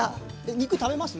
肉食べます？